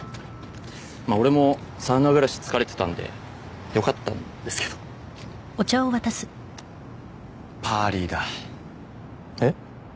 まあ俺もサウナ暮らし疲れてたんでよかったんですけどパーリーだえっ？